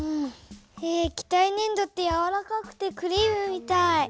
液体ねん土ってやわらかくてクリームみたい。